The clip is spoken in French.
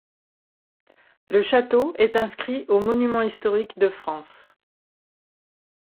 Le château est inscrit aux monuments historiques de France.